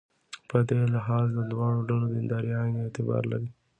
په دې لحاظ د دواړو ډلو دینداري عین اعتبار لري.